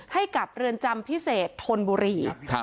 ให้กับเรือนจำพิเศษธนบุรี